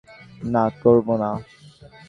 না, করব না।